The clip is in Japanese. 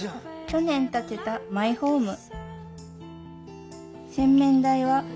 去年建てたマイホーム。